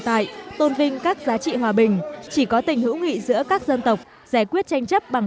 tại tôn vinh các giá trị hòa bình chỉ có tình hữu nghị giữa các dân tộc giải quyết tranh chấp bằng